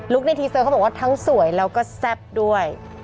ในทีเซอร์เขาบอกว่าทั้งสวยแล้วก็แซ่บด้วย